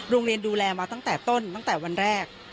โรงเรียนดูแลมาอยู่ตั้งแต่ต้นหลังจากวันแรก